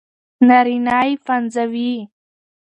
نارينه يې پنځوي